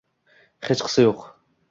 Hechqisi yo'q